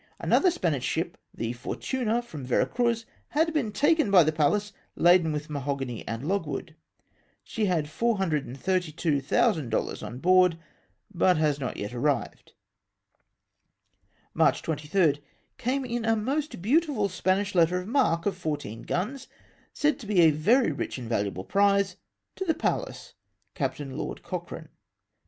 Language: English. Another Spanish ship, the Fortiina, from Vera Cruz, had been taken by the Pallas, laden with mahogany and logwood. She had 432,000 dollars on board, but has not yet arrived. "March 23. — Came in a most beautiful Spanish letter of marque of fourteen guns, said to be a very rich and valu able prize to the Pallas, Captain Lord Cochrane."